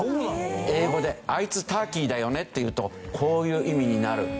英語で「あいつターキーだよね」って言うとこういう意味になる。